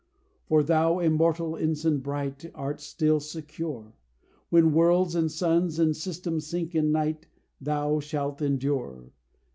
For thou immortal ensign bright, Art still secure; When worlds and suns and systems sink in night Thou shalt endure.